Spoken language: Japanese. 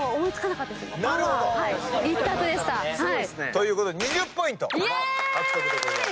ということで２０ポイント獲得でございます。